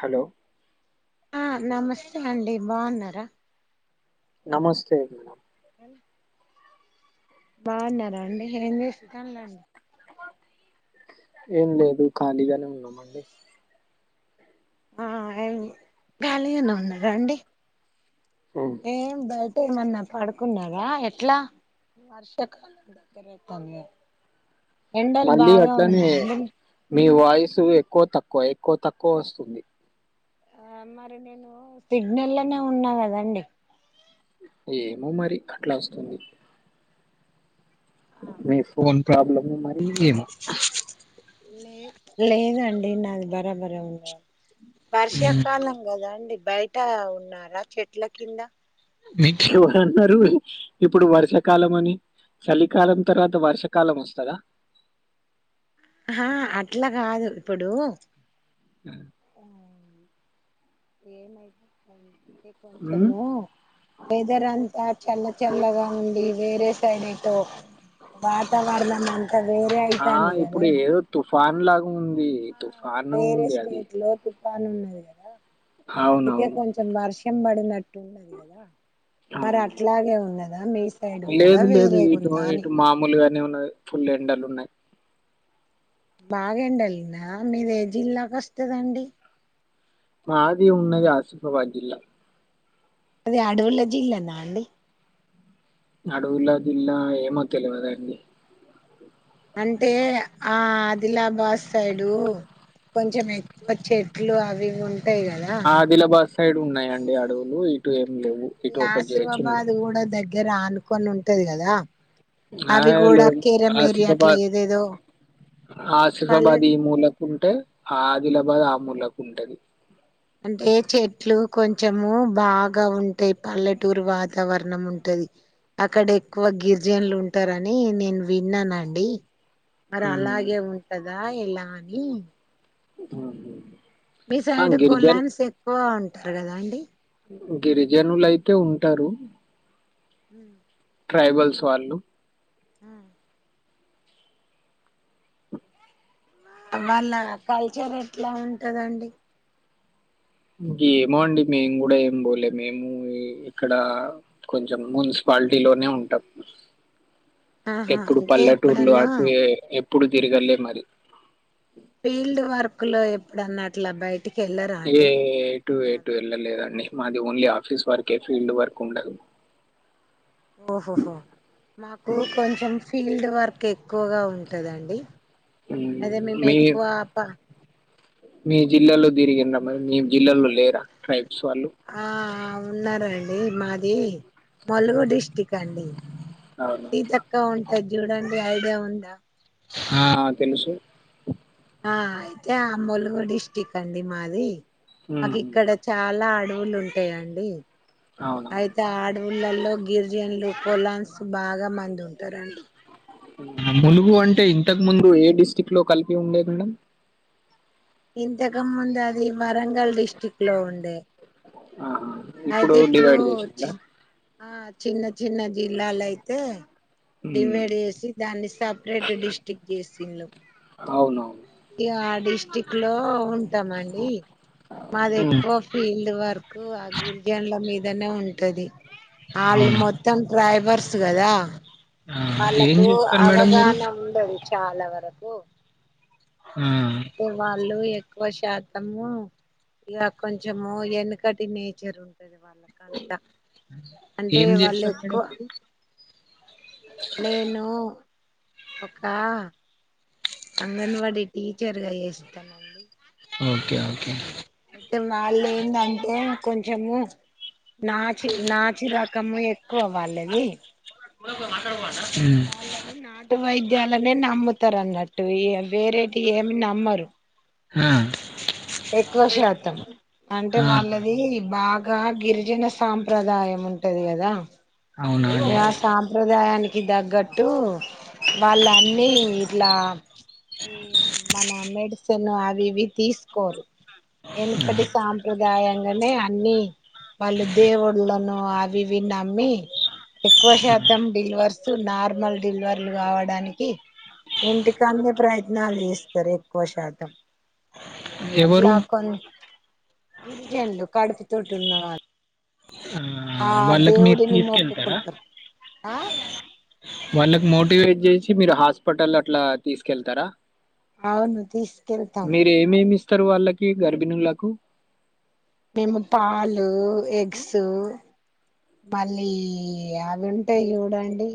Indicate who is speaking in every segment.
Speaker 1: Hello
Speaker 2: ఆ నమస్తే అండి బాగున్నారా
Speaker 1: నమస్తే మేడం
Speaker 2: [inaudible] బాగున్నారా అండి ఏం చేస్తానులండి
Speaker 1: ఏం లేదు ఖాళీగానే ఉన్నామండి
Speaker 2: ఆ ఏం కాలిగానే ఉన్నారా అండి
Speaker 1: ఉమ్.
Speaker 2: ఏం బట్ ఎమన్నా పడుకున్నారా ఎట్లా వర్షాకాలం దగ్గర అవుతుంది
Speaker 1: మళ్ళీ అట్లనే మీ వాయి వాయిస్ ఎక్కువ తక్కువ ఎక్కువ తక్కువ వస్తుంది
Speaker 2: ఆ మరి నేను సిగ్నల్నే ఉన్నా కదండి
Speaker 1: ఏమో మరి అట్లా వస్తుంది
Speaker 2: ఆ
Speaker 1: మీ ఫోన్ ప్రాబ్లమో మరి ఏమో
Speaker 2: లే లేదండి నాది బరాబర ఉండవా వర్షా
Speaker 1: ఉమ్.
Speaker 2: కాలంగదాండి బయట ఉన్నారా చెట్ల కింద
Speaker 1: మీ ఎవరన్నారు ఇప్పుడు వర్షాకాలం అని చలికాలం తర్వాత వర్షాకాలం వస్తదా
Speaker 2: ఆా అట్లా కాదు ఇప్పుడు [inaudible] ఏమైతందో కొంచెము వెదర్ అంతా చల్ల చల్లగా ఉండి వేరే ైటు వాతావరణ వేరే అయితాంది కదా
Speaker 1: ఫాన్ లాగా ఉంది తుఫాను
Speaker 2: వేరే
Speaker 1: ఉంది అది
Speaker 2: స్టేట్ లో [unintelligible] అందుకే
Speaker 1: అవునవును
Speaker 2: కొంచెం వర్షం పడిన టూ ఉన్నది కదా
Speaker 1: ఆ
Speaker 2: మరి అట్లాగే ఉన్నదా మీ సైడ్ కూడా
Speaker 1: లేదు లేదు
Speaker 2: వేరేగా
Speaker 1: ఇటు
Speaker 2: ఉందా అని
Speaker 1: ఇటు మామూలుగానే ఉన్నాయి ఫుల్ ఎండలు ఉన్నాయి
Speaker 2: బాగ ఎండెలిందా మీది ఏ జిల్లాక వస్తుదండి
Speaker 1: మాది ఉన్నద ఆసిఫాబాద్ జిల్లా
Speaker 2: అదిే అడవుల జిల్లా నా అండి
Speaker 1: అడువుల జిల్లా ఏమో తెలవదండి
Speaker 2: అంటే ఆ ఆదిలాబాద్ సైడు కొంచెం ఎక్కువ చెట్లు అవి ఉంటయి ఉంటాయి కదా
Speaker 1: ఆదిలాబాద్ సైడ్ ఉన్నాయండి అడవులు ఇటు లేవు
Speaker 2: ఈ
Speaker 1: ఇటు ఒక జే- చిన్న
Speaker 2: ఆసీమాబాద్ ఊడో దగ్ దగ్గర ఆనుకొని ఉంటది కదా
Speaker 1: ఆ
Speaker 2: అవి
Speaker 1: లే
Speaker 2: కూడా కేరమేరి అట్లా
Speaker 1: అసిఫాబాద్
Speaker 2: ఏదేదో పల్లె
Speaker 1: అసిఫాబాద్ ఈ మూలకుంటే ఆ ఆదిలాబాద్ ఆ పక్క మూలకి ఉంటది
Speaker 2: అంటే చెట్లు కొంచెము బాగా ఉంటాయి పల్లెటూరు వాతావరణం ఉంటది అక్కడ ఎక్కువ గిరిజనులు ఉంటారని నేను విన్నానండి మరి
Speaker 1: ఉమ్,
Speaker 2: అలాగే ఉంటదా ఆ ఎలా అని
Speaker 1: ఉమ్
Speaker 2: మీ
Speaker 1: ఆ
Speaker 2: సైడ్
Speaker 1: గిరిజన్
Speaker 2: కొలాంసెక్కువ అంటారు కదా అండి
Speaker 1: గిరిజనులు అయితే ఉంటారు
Speaker 2: ఉమ్
Speaker 1: ట్రైబల్స్ వాళ్లు
Speaker 2: ఆ వాళ్ళ కల్చర్ ఎట్లా ఉంటందండి
Speaker 1: ఇంక ఏమో అండి మేము కూడా ఏం పోలే మేము ఇక్కడ కొంచెం మున్సిపాలిటీ లోనే ఉంటం
Speaker 2: ఆహా
Speaker 1: ఎప్పుడు
Speaker 2: అంటే
Speaker 1: పల్లెటూర్లు
Speaker 2: ఎప్పుడన్నా
Speaker 1: అటు ఎప్పుడు తిరగలే మరి
Speaker 2: ఫీల్డ్ వర్క్ లో ఎప్పుడు అన్నట్ల బైక్
Speaker 1: ఏయ ఏ ఎటు ఎటు వెళ్ళలేదండి మాది ఓన్లీ ఆఫీస్ వర్క్ ఏ ఫీల్డ్ వర్క్ ఉండదు
Speaker 2: ఓహోహో మాకు
Speaker 1: మ్మ్.
Speaker 2: కొంచెం ఫీల్డ్ వర్క్ ఎక్కువగా ఉంటదండి అదే మేము
Speaker 1: మీ
Speaker 2: ఎక్కువ ఆప
Speaker 1: మీ జిల్లాలో తిరిగిండ్రి మీ జిల్లాలో లేరా వాళ్ళు
Speaker 2: ఆ ఉన్నారండి మాది ములుగు డిస్టిక్ అండి
Speaker 1: అవునా
Speaker 2: సీతక్క ఉంటా ది చూడండి ఐడియా ఉందా
Speaker 1: ఆ తెలుసు
Speaker 2: ఆ అయితే ఆ ములుగు డిస్టిక్ అండి మాది మాకు
Speaker 1: మ్మ్.
Speaker 2: ఇక్కడ చాలా ఆడ నోళ్లు ఉంటాయా అండి
Speaker 1: అవునా
Speaker 2: అయితే అడవుళ్లలో గిరిజనులు పొలాన్స్ బాగా మంది ఉంటారండి
Speaker 1: మునుగు అంటే ఇంతకు ముందు ఏ డిస్టిక్ట్ లో కలిపి ఉండేది మేడమ్
Speaker 2: ఇంతక ముందు అది వరంగల్ డిస్టిక్ట్ లో ఉండే
Speaker 1: ఆ ఇప్పుడు
Speaker 2: అయితే
Speaker 1: డివైడ్ చేసిందా
Speaker 2: చి ఆ చిన్న చిన్న జిల్లాల అయితే
Speaker 1: మ్మ్.
Speaker 2: డివైడ్ చేసి దాన్ని సపరేట్ డిస్ట్రిక్ట్ చేసింళు
Speaker 1: అవునవును
Speaker 2: ఆ డిస్టిక్ట్ లో ఉంటామండి మాది
Speaker 1: మ్మ్.
Speaker 2: ఎక్కువ ఫీల్డ్ వర్ కు ద్ గిరిజనుల మీదనే ఉంటది ఆల్లు
Speaker 1: అవునా
Speaker 2: మొత్తం ట్రైబర్ స్తు కదా
Speaker 1: ఆ, ఏం
Speaker 2: వాళ్ళకు
Speaker 1: చేస్తారు మేడం మీరు
Speaker 2: అవగాహన ఉండదు. చాలా వరకు
Speaker 1: ఆ,
Speaker 2: వాళ్ళు ఎ ఎక్కువ శాతము ఇక కొంచము వెనకటి నేచరు వాళ్ళకంతా అంటే
Speaker 1: ఏం
Speaker 2: వాళ్ళు
Speaker 1: చేస్తారు
Speaker 2: ఎక్కు
Speaker 1: మేడం మీరు
Speaker 2: నేను ఒక అంగన్వాడి టీచర్గా చేస్తానండి
Speaker 1: ఓకే ఓకే
Speaker 2: అయితే వాళ్ళు ఏందంటే కొంచము నాచి నాచి రకము ఎక్కువ వాళ్ళది.
Speaker 1: [unintelligible]
Speaker 2: వాళ్ళని నాటు వైద్యాలనే నమ్ముత్ చెత్తారు అన్నట్టు వేరేటి ఏమి నమ్మరు.
Speaker 1: ఆ
Speaker 2: ఎక్కువ శాతం అంటే
Speaker 1: ఆ
Speaker 2: వాళ్ళది ఈ బాగా గిరిజన సాంప్రదాయం ఉంటది కదా!
Speaker 1: అవున
Speaker 2: ఆ
Speaker 1: అండి
Speaker 2: సాంప్రదాయానికి తగ్గట్టు వాళ్ళ అన్ని ఇట్లా ఈ మన మెడిసిన్ అవి ఇవి తీసుకోరు. వెనకటి సాంప్రదాయంగానే అన్ని వాళ్ళు దేవుళ్ళను అవి ఇవి నమ్మి, ఎక్కువ శాతం డెలివర్స్ నార్మల్ డిలివర్లు కావడానికి, ఇంటికాడానే ప్రయత్నాలు చేస్తరు ఎక్కువ శాతం. అట్లా
Speaker 1: ఎవరు
Speaker 2: కొన్ గిరిజనులు కడుపు తోటి ఉన్నవాళ్ళు
Speaker 1: ఆ
Speaker 2: ఆ
Speaker 1: వాళ్ళకి మీరు
Speaker 2: దేవుడిని
Speaker 1: తీసుకెళతారా
Speaker 2: మొక్కుకుంటారు ఆ
Speaker 1: వాళ్ళకి మోటివేట్ చేసి మీరు హాస్పిటల్ అట్లా తీసుకెళ్తారా.
Speaker 2: అవును తీస్
Speaker 1: మీర ఏమేమి ఇస్ ఇస్తరు వాళ్ళకి గర్భిణులకు
Speaker 2: మేము పాలు ఎగ్స్ మళ్ళీ అవి ఉంటాయి చూడండి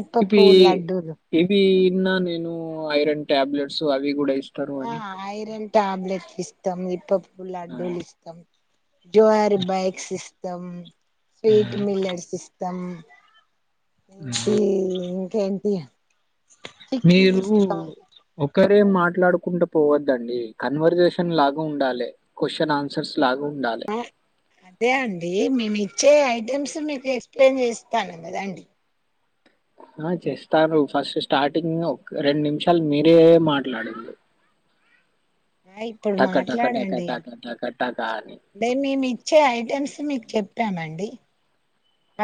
Speaker 2: ఇప్ప
Speaker 1: ఇవి
Speaker 2: పువ్వు లడ్డూలు
Speaker 1: ఏంటి నిన్న నేను ఐరన్ ట్యాబ్లెట్స్ అవి కూడా ఇస్త విస్తరు
Speaker 2: ఆ
Speaker 1: అని [unintelligible]
Speaker 2: ఐరన్ టాబ్లెట్స్ ఇస్తం ఇప్ప పు
Speaker 1: ఆ,
Speaker 2: లడ్డులు ఇస్తాం జుహరి బైక్ సిస్ దం
Speaker 1: ఆ,
Speaker 2: స్వీట్ మిల్లెట్స్ ఇ తం
Speaker 1: ఆ.
Speaker 2: ఇంకే ఇంకేంటి చిక్కీలు
Speaker 1: మీరు
Speaker 2: ఇస్తాం
Speaker 1: ఒక్కరే మాట్లాడుకుంట పోవద్దండి కన్వర్జేషన్ లాగా ఉండాలె క్వశ్చన్ ఆన్సర్స్ లాగా ఉండాలి
Speaker 2: ఆ అదే అండి మేమి చే ఐటెమ్స్ మీకు ఎక్స ప్లెయిన్ చేస్తాన కదాండి
Speaker 1: ఆ చేస్తారు ఫస్ట్ స్టార్టింగ్ ఒక రెండు నిమిషాలు మీరే మాట్లాడింరు
Speaker 2: ఇప్పుడు
Speaker 1: టక
Speaker 2: మాట్లాడండి
Speaker 1: టక టక టక అని
Speaker 2: అంటే మేమి ఇచ్చే ఐటమ్స్ మీకు చెప్ పేమండి [unintelligible]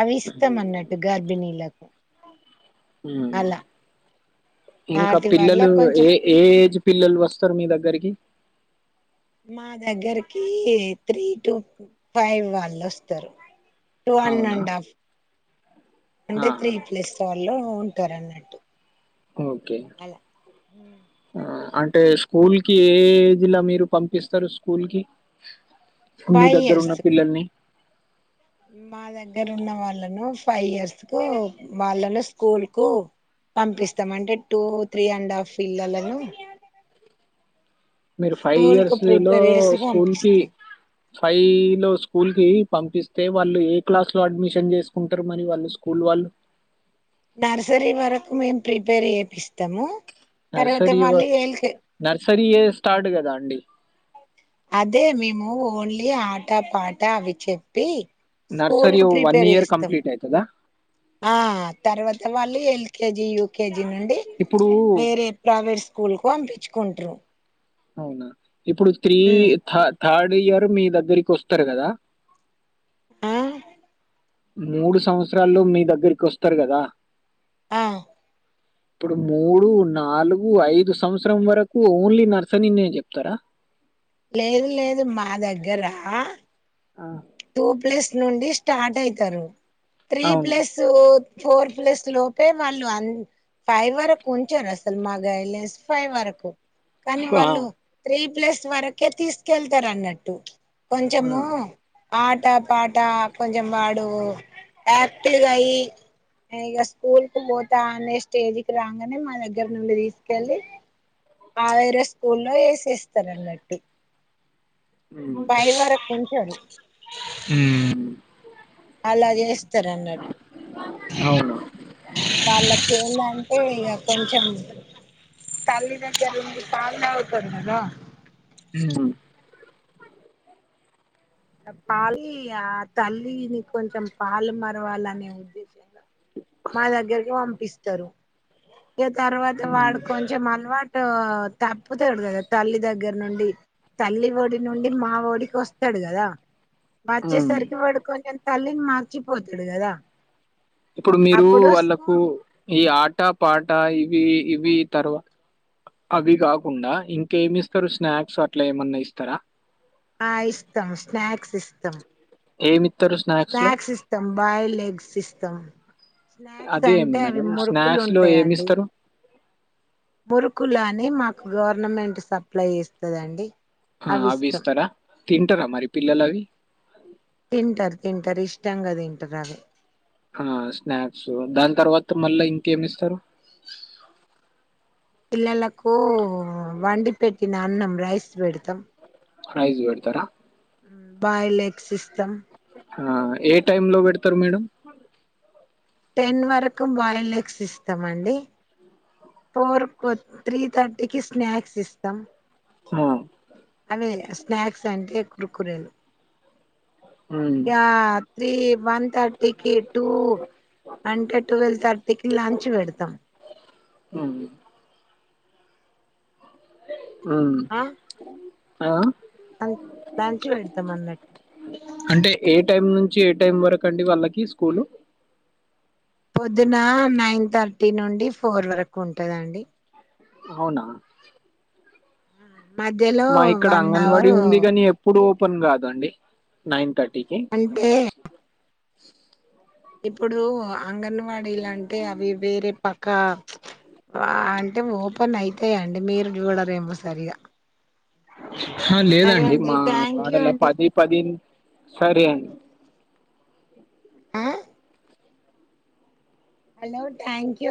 Speaker 2: అవి ఇస్తంఅన్నట్టు గర్భిణీలకు
Speaker 1: ఉ
Speaker 2: అలా
Speaker 1: ఇంకా
Speaker 2: వాటి వల్ల
Speaker 1: పిల్లలు
Speaker 2: కొంచెం
Speaker 1: ఏ ఏ ఏజ్ పిల్లలు వస్తారు మీ దగ్గరికి
Speaker 2: మా దగ్గరకి త్రీటూ ఫైవ్ వాళ్ళు వస్తారు టూ వన్
Speaker 1: అవునా
Speaker 2: అండ్ హాఫ్
Speaker 1: ఆ
Speaker 2: అంటే త్రీ ప్లస్ వాళ్ళు ఉ టరఅన్నట్టు
Speaker 1: ఓకే
Speaker 2: అలా
Speaker 1: ఆ అంటే స్కూల్ కి ఏ ఏజ్లొ మీరు పంపిస్తరు స్కూల్ కి మీ
Speaker 2: ఫైవ్
Speaker 1: దగ్గర ఉన్న
Speaker 2: ఇయర్స్
Speaker 1: పిల్లల్ని
Speaker 2: మా దగ్గర ఉన్న వాళ్ళను ఫైవ్ ఇయర్స్ కు వాళ్ళను స్కూల్ కు పంపిస్తాం అంటే టూ త్రీ అండ్ హాఫ్ పిల్లలను
Speaker 1: మీరు ఫైవ్
Speaker 2: స్కూల్ కు
Speaker 1: ఇయర్స్ లో
Speaker 2: ప్రిపేర్ చేసి
Speaker 1: స్కూల్ కి
Speaker 2: పంపిస్తాం
Speaker 1: ఫైవ్ లో స్కూల్ కి పంపిస్తే వాళ్ళు ఏ క్లాస్ లో అడ్మిషన్ చేసుకుంటరు మరి వాళ్ళు స్కూల్ వాళ్ళు,
Speaker 2: నర్సరీ వరకు మేము ప్రిపేర్ చేపిస్తము
Speaker 1: నర్సరీవర నర్సరీ యే స్టార్ట్ కదా అండి,
Speaker 2: అదే మేము ఓన్లీ ఆట పాట అవి చెప్పి స్కూల్
Speaker 1: నర్సరీ
Speaker 2: కు
Speaker 1: వన్
Speaker 2: ప్రిపేర్
Speaker 1: ఇయర్
Speaker 2: చేస్తాం
Speaker 1: కంప్లీట్ అవుతుందా
Speaker 2: ఆ తర్వాత వాళ్ళు L L K G UKG నుండి
Speaker 1: ఇప్పుడు
Speaker 2: వేరే ప్రైవేట్ స్కూల్ కు పంపించు కొంట్రు
Speaker 1: అవునా ఇప్పుడు త్రీ థర్ థర్డ్ ఇయర్ మీ దగ్గరికి వస్తరు కదా
Speaker 2: ఆ
Speaker 1: మూడు సంవత్సరాల్లో మీ దగ్గరికి వస్తరు కదా
Speaker 2: ఆ
Speaker 1: ఇప్పుడు మూడు నాలుగు ఐదు సంవత్సరం వరకు ఓన్లీ నర్సనీ నే చెప్తరా,
Speaker 2: లేదు లేదు మా దగ్గరా
Speaker 1: ఆ
Speaker 2: టూ ప్లస్ నుండి స్టార్ట్ అయితరు, త్రీ
Speaker 1: అవును
Speaker 2: ప్లస్ ఫోర్ ప్లస్ లోపే వాళ్ళు అం ఫైవ్ వరకు ఉంచరు అసలు మా గైడ్లైన్స్ ఫైవ్ వరకు, కానీ
Speaker 1: ఆ
Speaker 2: వాళ్ళు త్రీ ప్లస్ వరకే తీసుకెళ్తరు అన్నట్టు,
Speaker 1: ఆ
Speaker 2: కొంచము ఆట పాట కొంచెం వాడు యాక్టివ్ గా అయ్యి ఇగ స్కూల్ కు పోతా అనే స్టేజకిి రాగానే మా దగ్గర నుండి తీసుకెళ్ళి ఆ వేరే స్కూల్లో వేసేస్తారన్నట్టు, ఫైవ్ వరకు ఉంచరు,
Speaker 1: హ్మ్
Speaker 2: అలా చేస్తరు అన్నట్టు
Speaker 1: అవును
Speaker 2: వాళ్ళకి ఏందంటే ఇక కొంచెం తల్లి దగ్గరుండి పాలు తాగు తరుకదా
Speaker 1: హ్మ్
Speaker 2: ఆ పాలి ఆ తల్లిని కొంచెం పాలు మరవాలనే ఉద్దేశంగా మా దగ్గరికి పంపిస్త స్తారు ఇగ తర్వాత
Speaker 1: మ్మ్.
Speaker 2: వాడు కొంచెం అలవాటు టు తప్పుతడు కదా తల్లి దగ్గర నుండి తల్లి డి నుండి మా డికి వస్తాడు కదా మ చేే
Speaker 1: మ్మ్.
Speaker 2: సరికి పడుకొని ఎ తల్లీని మార్చిపోతుడు కదా
Speaker 1: ఇప్పుడు మీరు
Speaker 2: అప్పుడు
Speaker 1: వాళ్ళకు
Speaker 2: స్కూల్
Speaker 1: ఈ ఆట పాట అట్ట ఇవి ఇవి తర్వా అవి కాకుండా ఇంకేమి ఇస్తారు స్నాక్స్ అట్లా ఏమన్నా ఇస్తారా
Speaker 2: ఆ ఇస్తాం స్నాక్స్ ఇస్తాం
Speaker 1: ఏమిత్తరు లో?
Speaker 2: స్నాక్స్ ఇస్తాం బాయిల్డ్ ఎగ్స్ ఇస్తాం స్నాక్స్
Speaker 1: అదే
Speaker 2: అంటే అవి
Speaker 1: మేడం
Speaker 2: మురుకులు
Speaker 1: స్నాక్స్ లో
Speaker 2: ఉంటాయండి
Speaker 1: ఏమిస్తారు?
Speaker 2: మురుకులు అని మాకు గవర్నమెంట్ స అప్లై చేస్తదండి
Speaker 1: ఆ
Speaker 2: అవి ఇస్తాం
Speaker 1: అవిస్తార తిన్ టర అమారి పిల్లలు అవి
Speaker 2: తింటారు తింటారు ఇష్టాంగా తింటారు అవి
Speaker 1: ఆ స్నాక్స్ దాని తర్వాత మళ్ళా ఇంకేమి ఇస్తారు
Speaker 2: పిల్లలకు వండి పెట్టిన అన్నం రైస్ పెడతాం
Speaker 1: రైజ్ పెడ్తరా
Speaker 2: బాయిలే ఎగ్గ్ సిస్టమ్
Speaker 1: ఆ ఏ టైమ్ లో పెడతారు మేడం
Speaker 2: టెన్ వరకు బాయిల్ ఎగ్స్ ఇస్తామండి ఫోర్ కు త్రీ థర్టీకి స్నాక్స్ ఇస్తాం
Speaker 1: ఆ!
Speaker 2: అవే చేస్తం స్నాక్స్ అంటే కుర్కురేలు
Speaker 1: హ్మ్.
Speaker 2: యాద్ త్రీ వన్ థర్టీకి టూ అంటే ట్వెల్వ్ థర్టీకి లంచ్ పెడతాం
Speaker 1: అ హ
Speaker 2: ఆ
Speaker 1: అ ఆ
Speaker 2: లంచ్ పెడతాం అన్నట్టు
Speaker 1: అంటే ఏ టైం నుంచి ఏ టైం వరకు అండి వాళ్ళకి స్కూలు
Speaker 2: పొద్దున నైన్ థర్టీ నుండి ఫోర్ వరకు ఉంటదండి
Speaker 1: అవునా
Speaker 2: మధ్యలో
Speaker 1: మా ఇక్కడ
Speaker 2: వన్
Speaker 1: అంగన్వాడీ
Speaker 2: అవర్
Speaker 1: ఉంది గని ఎప్పుడు ఓపెన్ కాదండి నైన్ థర్టీ
Speaker 2: అంటే ఇప్పుడు అంగన్వాడీలాంటే అవి వేరే పక్క ఆ అంటే ఓ కొన్నిఅయితయండి మీరు చూడరేమో సరిగా
Speaker 1: ఆ
Speaker 2: సరే
Speaker 1: లేదండి
Speaker 2: అండి
Speaker 1: మా
Speaker 2: థ్యాంక్ యూ
Speaker 1: పాడల
Speaker 2: అండి
Speaker 1: పది పది సరే అండి
Speaker 2: ఆ హలో థ్యాంక్ యూ